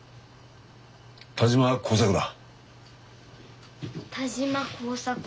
田島耕作だ。